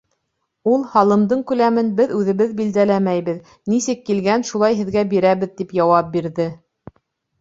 Ул, һалымдың күләмен беҙ үҙебеҙ билдәләмәйбеҙ, нисек килгән, шулай һеҙгә бирәбеҙ, тип яуап бирҙе.